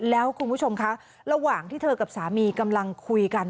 แล้วคุณผู้ชมคะระหว่างที่เธอกับสามีกำลังคุยกัน